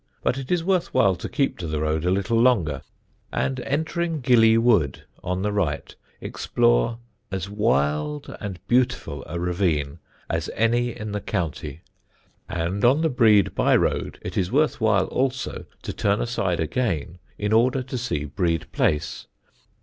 But it is worth while to keep to the road a little longer, and entering Gilly Wood (on the right) explore as wild and beautiful a ravine as any in the county. And, on the Brede by road, it is worth while also to turn aside again in order to see Brede Place.